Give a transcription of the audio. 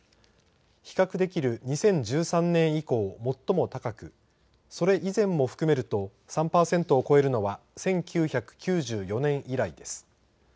比較できる２０１３年以降最も高くそれ以前も含めると３パーセントを超えるのは１９９４年以来です。